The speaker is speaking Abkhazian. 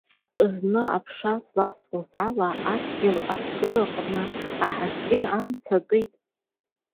Зны, аԥша зласуаз ала адгьыл аҵкараҟны аҳаскьын амца акит.